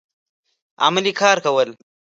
عملي کار کول